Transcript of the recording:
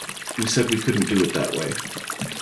We said we couldn't do it that way.